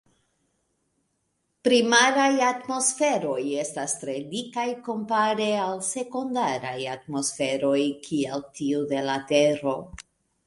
Primaraj atmosferoj estas tre dikaj kompare al sekundaraj atmosferoj kiel tiu de la Tero.